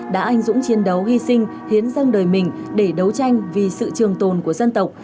đã anh dũng chiến đấu hy sinh hiến dâng đời mình để đấu tranh vì sự trường tồn của dân tộc